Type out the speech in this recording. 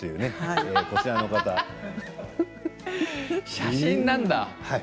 写真なんだ。